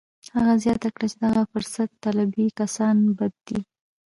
هغه زیاته کړه چې دغه فرصت طلبي کسان بد دي